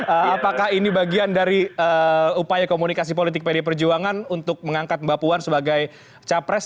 apakah ini bagian dari upaya komunikasi politik pdi perjuangan untuk mengangkat mbak puan sebagai capres